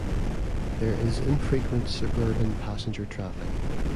There is infrequent suburban passenger traffic.